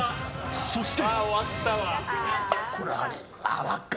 そして。